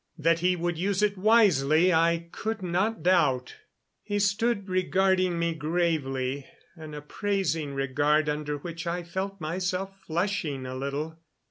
That he would use it wisely I could not doubt. He stood regarding me gravely an appraising regard under which I felt myself flushing a little.